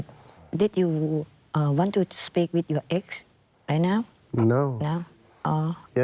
พ่อไม่ค่อยคุยกันตอบแทนได้เลย